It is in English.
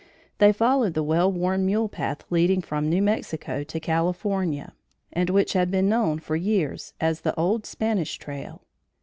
They followed the well worn mule path leading from New Mexico to California and which had been known for years as the "Old Spanish Trail."